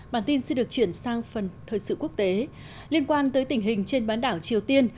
bản tin sẽ được chuyển sang phần thời sự quốc tế liên quan tới tình hình trên bán đảo triều tiên